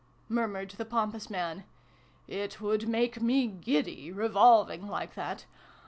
" murmured the pompous man. " It would make me giddy, revolving like that